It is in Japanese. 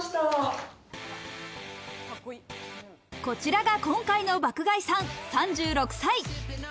こちらが今回の爆買いさん、３６歳。